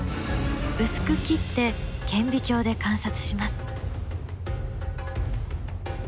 薄く切って顕微鏡で観察します。